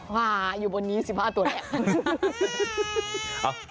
ว้าวอยู่บนนี้๑๕ตัวแหละ